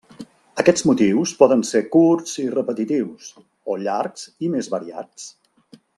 Aquests motius poden ser curts i repetitius, o llargs i més variats.